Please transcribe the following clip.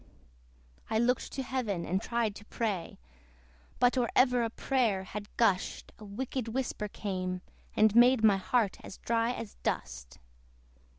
I looked to Heaven, and tried to pray: But or ever a prayer had gusht, A wicked whisper came, and made my heart as dry as dust.